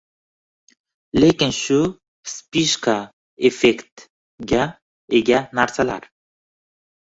Lekin shu «vspыshka effekt»ga ega narsalar